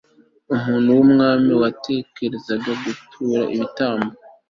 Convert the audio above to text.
umuntu w'umwami wategekaga gutura ibitambo